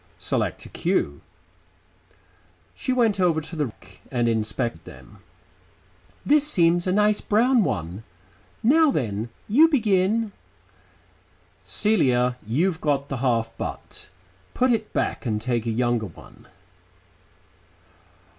"Select a cue." She went over to the rack and inspected them. "This seems a nice brown one. Now then, you begin." "Celia, you've got the half butt. Put it back and take a younger one."